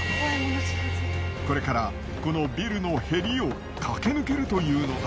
これからこのビルのへりを駆け抜けるというのだ。